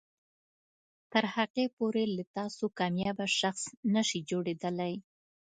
تر هغې پورې له تاسو کاميابه شخص نشي جوړیدلی